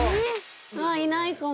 いないかも。